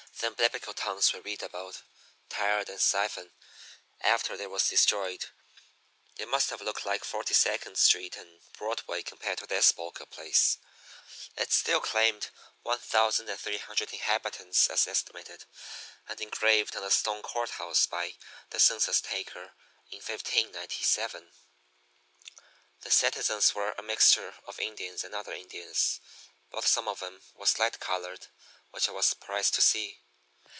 Them biblical towns we read about Tired and Siphon after they was destroyed, they must have looked like Forty second Street and Broadway compared to this Boca place. It still claimed 1300 inhabitants as estimated and engraved on the stone court house by the census taker in 1597. The citizens were a mixture of Indians and other Indians; but some of 'em was light colored, which I was surprised to see.